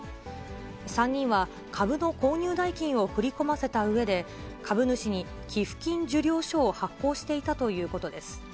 ３人は株の購入代金を振り込ませたうえで、株主に寄付金受領書を発行していたということです。